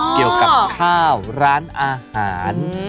เกี่ยวกับข้าวร้านอาหาร